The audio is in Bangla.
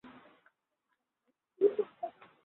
যা পরবর্তীতে পূর্ব পাকিস্তানে বিস্তৃতি লাভ করে।